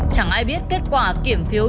chẳng ai biết kết quả kiểm phiếu